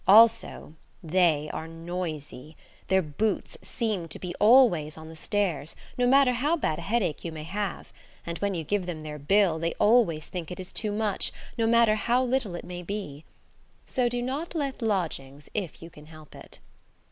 Also, they are noisy; their boots seem to be always on the stairs, no matter how bad a headache you may have; and when you give them their bill they always think it is too much, no matter bow little it may be. So do not let lodgings if you can help it.